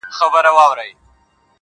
• كله، ناكله غلتيږي څــوك غوصه راځـي.